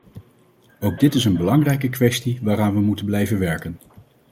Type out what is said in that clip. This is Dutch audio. Ook dit is een belangrijke kwestie waaraan we moeten blijven werken.